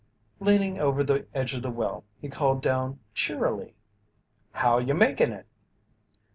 Leaning over the edge of the well, he called down cheerily: "How you making it?"